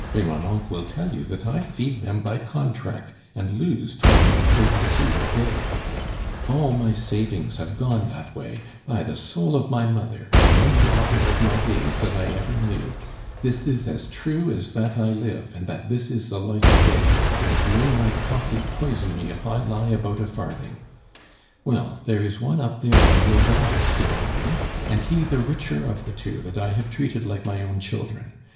Remonencq will tell you that I feed them by contract, and lose twenty or thirty sous a day; all my savings have gone that way, by the soul of my mother (the only author of my days that I ever knew), this is as true as that I live, and that this is the light of day, and may my coffee poison me if I lie about a farthing. Well, there is one up there that will die soon, eh? and he the richer of the two that I have treated like my own children.